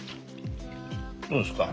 どうですか？